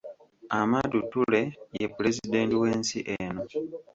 Amadou Toure ye Pulezidenti w’ensi eno.